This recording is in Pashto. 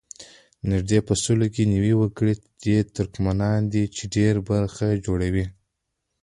نږدې په سلو کې نوي وګړي یې ترکمنان دي چې ډېره برخه جوړوي.